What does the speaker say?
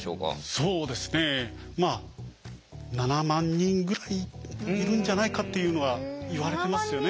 そうですねまあ７万人ぐらいいるんじゃないかっていうのはいわれてますよね。